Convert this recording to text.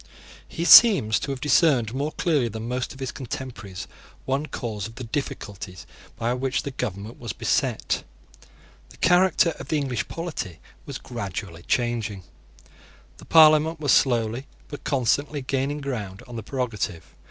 He seems to have discerned more clearly than most of his contemporaries one cause of the difficulties by which the government was beset. The character of the English polity was gradually changing. The Parliament was slowly, but constantly, gaining ground on the prerogative.